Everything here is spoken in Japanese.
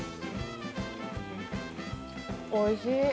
おいしい。